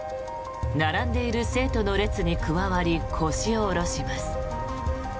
並んでいる生徒の列に加わり腰を下ろします。